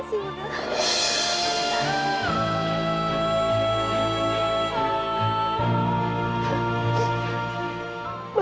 terima kasih bunda